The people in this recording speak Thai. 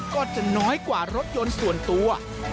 ก็จะน้อยกว่ารถยนต์ส่วนตัว